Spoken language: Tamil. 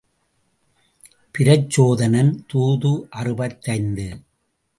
பிரச்சோதனன் தூது அறுபத்தைந்து.